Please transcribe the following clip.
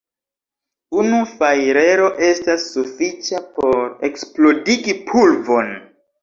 Unu fajrero estas sufiĉa, por eksplodigi pulvon.